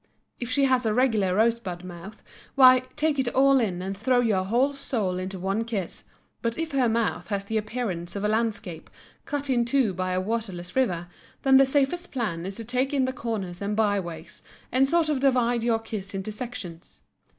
If she has a regular rose bud mouth, why, take it all in and throw your whole soul into one kiss, but if her mouth has the appearance of a landscape cut in two by a waterless river, then the safest plan is to take in the corners and byways, and sort of divide your kiss into sections.